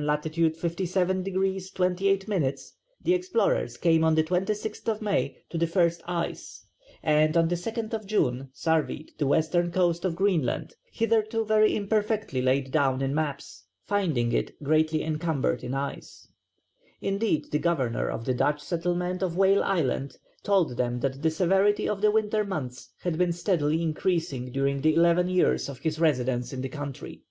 lat. 57 degrees 28 minutes, the explorers came on the 26th May to the first ice, and on the 2nd June surveyed the western coast of Greenland, hitherto very imperfectly laid down in maps, finding it greatly encumbered by ice. Indeed the governor of the Dutch settlement of Whale Island told them that the severity of the winter months had been steadily increasing during the eleven years of his residence in the country.